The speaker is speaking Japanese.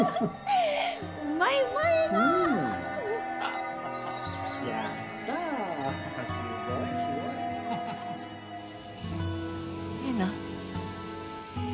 うまいうまいえなやったすごいすごいハハえな？